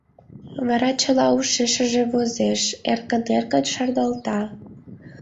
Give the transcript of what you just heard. Вара чыла ушешыже возеш, эркын-эркын шарналта...